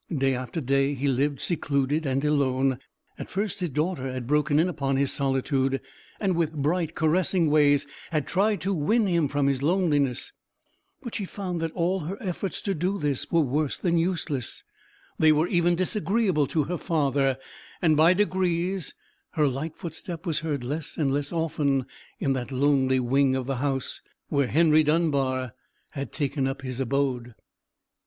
Day after day he lived secluded and alone. At first, his daughter had broken in upon his solitude, and, with bright, caressing ways, had tried to win him from his loneliness: but she found that all her efforts to do this were worse than useless: they were even disagreeable to her father: and, by degrees, her light footstep was heard less and less often in that lonely wing of the house where Henry Dunbar had taken up his abode.